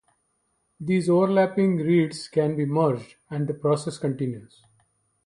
These overlapping reads can be merged, and the process continues.